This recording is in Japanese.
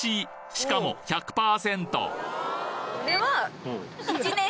しかも１００％これは。